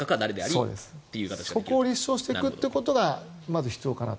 そこを立証していくことがまず必要かなと。